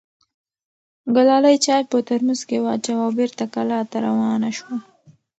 ګلالۍ چای په ترموز کې واچوه او بېرته کلا ته روانه شوه.